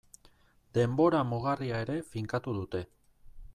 Denbora mugarria ere finkatu dute.